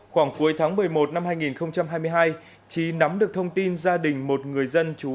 khoảng cuối tháng một mươi một năm hai nghìn hai mươi hai trí nắm được thông tin gia đình một người dân chú